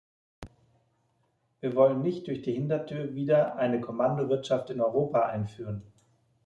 Wir wollen nicht durch die Hintertür wieder eine Kommandowirtschaft in Europa einführen.